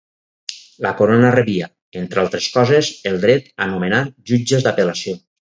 La Corona rebia, entre altres coses, el dret a nomenar jutges d'apel·lació.